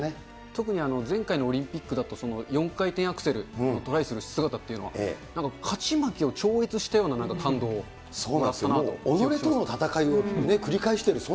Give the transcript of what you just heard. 特に前回のオリンピックだと、４回転アクセルにトライする姿っていうのは、なんか勝ち負けを超己との戦いを繰り返している、